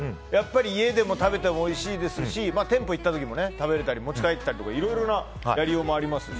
家で食べてもおいしいですし店舗に行った時も食べられたり持ち帰ったりいろいろなやりようもありますし。